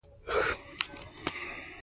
چې زه خپله ډاډګرنه جبار کاکا ته ووايم .